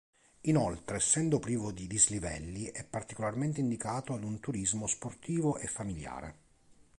Inoltre, essendo privo di dislivelli, è particolarmente indicato ad un turismo sportivo e familiare.